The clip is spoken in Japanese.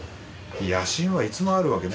野心はいつもあるわけね。